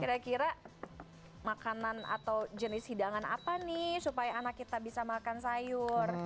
kira kira makanan atau jenis hidangan apa nih supaya anak kita bisa makan sayur